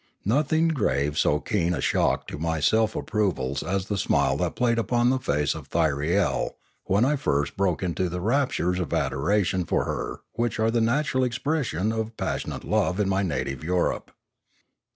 Nothing gave so keen a shock to my self approval as the smile that played upon the face of Thyriel when I first broke into the raptures of adoration for her which are the natural expression of passionate love in my native Europe.